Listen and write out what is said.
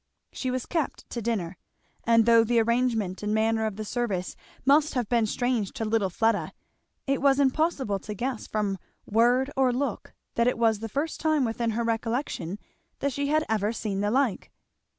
She was kept to dinner; and though the arrangement and manner of the service must have been strange to little Fleda, it was impossible to guess from word or look that it was the first time within her recollection that she had ever seen the like.